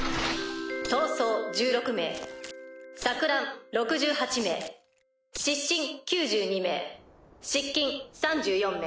逃走１６名錯乱６８名失神９２名失禁３４名。